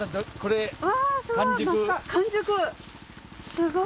すごい！